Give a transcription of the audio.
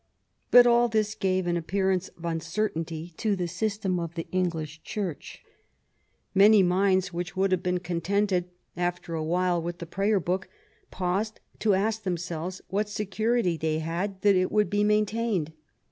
But all this gave an appearance of uncertainty to the system of the English Church. Many minds, which would have been contented after a while with the Prayer Book, paused to ask themselves what security they had that it would be maintained.